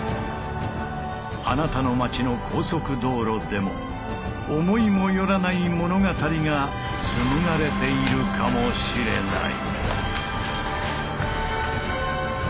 あなたの街の高速道路でも思いも寄らない物語が紡がれているかもしれない。